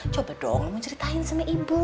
coba dong kamu ceritain sama ibu